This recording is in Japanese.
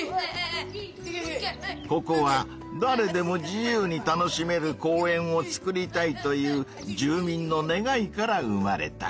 ここは「だれでも自由に楽しめる公園をつくりたい」という住民の願いから生まれた。